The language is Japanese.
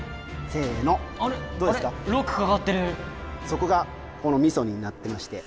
そこがこのミソになってまして。